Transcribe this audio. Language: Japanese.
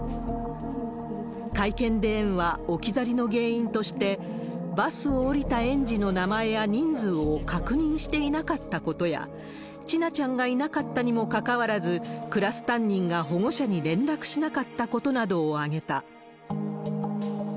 会見で園は、置き去りの原因として、バスを降りた園児の名前や人数を確認していなかったことや、千奈ちゃんがいなかったにもかかわらず、クラス担任が保護者に連絡しなかったことなどを挙げた。